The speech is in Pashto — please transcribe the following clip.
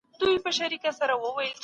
که خلک پوه سي سياست به ورته اسانه سي.